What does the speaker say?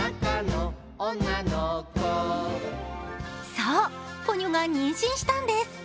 そう、ポニョが妊娠したんです。